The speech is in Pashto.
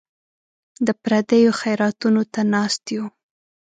د پردیو خیراتونو ته ناست یو.